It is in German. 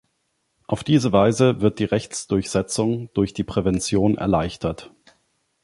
Auf diese Weise wird die Rechtsdurchsetzung durch die Prävention erleichtert.